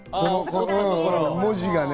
文字がね。